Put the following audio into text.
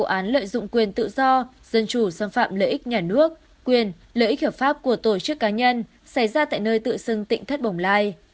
vụ án lợi dụng quyền tự do dân chủ xâm phạm lợi ích nhà nước quyền lợi ích hợp pháp của tổ chức cá nhân xảy ra tại nơi tự xưng tỉnh thất bồng lai